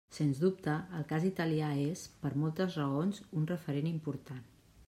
Sens dubte, el cas italià és, per moltes raons, un referent important.